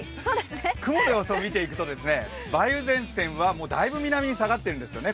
雲の様子を見ていくと梅雨前線はだいぶ南に下がっているんですね。